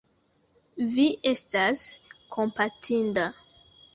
Vi estas kompatinda.